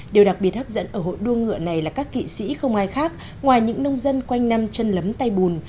điều đặc biệt hấp dẫn ở hội đua ngựa này là các kỵ sĩ không ai khác ngoài những nông dân quanh năm chân lấm tay bùn